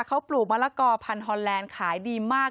เขาปลูกมะละกอพันธอนแลนด์ขายดีมาก